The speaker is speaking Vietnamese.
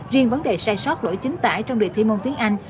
riêng vấn đề sai sót lỗi chính tải trong đề thi môn tiếng anh